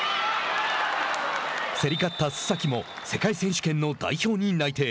競り勝った須崎も世界選手権の代表に内定。